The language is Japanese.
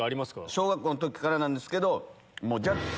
小学校の時からなんですけど。